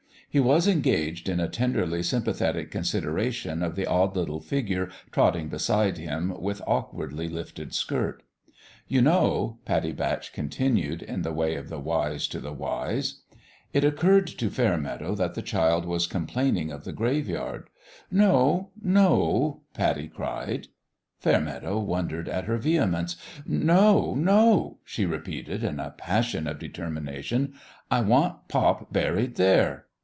He was engaged in a tenderly sympathetic consideration of the odd littie figure tj 1^4 1 tuff" beside liiin ipilli ^'^rlrwsnTiffy liiif^j slc.II t. M You know," Pattie Batch continued, in the way of die wise to the wise. It occurred to Fainneadow that the child was complaining of die graveyard. " No, no !" Puttie cried. Fainneadow wondered at her vehemence. "No, no!" she repeated, in a passion of de termination. " I want pop buried there